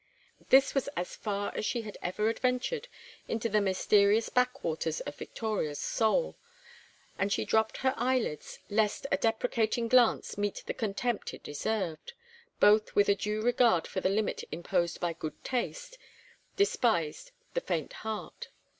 This was as far as she had ever adventured into the mysterious backwaters of Victoria's soul, and she dropped her eyelids lest a deprecating glance meet the contempt it deserved; both with a due regard for the limit imposed by good taste, despised the faint heart.